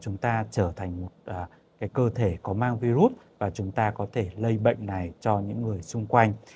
chúng ta trở thành một cơ thể có mang virus và chúng ta có thể lây bệnh này cho những người xung quanh